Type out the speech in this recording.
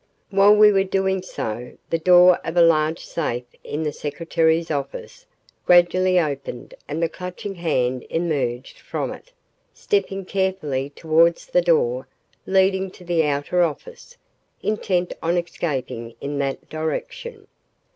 While we were doing so, the door of a large safe in the secretary's office gradually opened and the Clutching Hand emerged from it, stepping carefully towards the door leading to the outer office, intent on escaping in that direction.